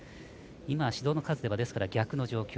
今、指導の数では逆の状況。